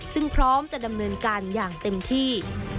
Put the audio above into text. ซึ่งพร้อมจะดำเนินการอย่างเต็มที่